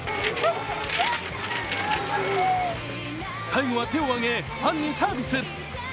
最後は手を上げファンにサービス。